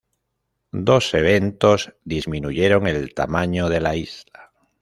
Dos eventos disminuyeron el tamaño de la isla.